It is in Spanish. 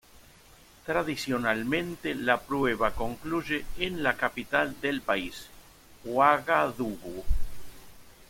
Tradicionalmente la prueba concluye en la capital del país, Uagadugú.